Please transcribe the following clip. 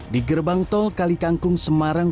di gerbang tol kalikangkung semarang